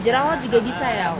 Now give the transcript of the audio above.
jerawat juga bisa ya